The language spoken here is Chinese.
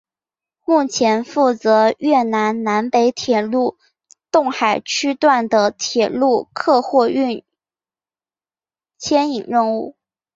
目前负责越南南北铁路洞海区段的铁路客货运牵引任务。